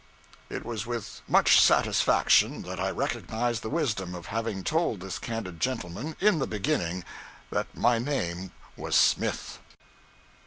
It was with much satisfaction that I recognized the wisdom of having told this candid gentleman, in the beginning, that my name was Smith.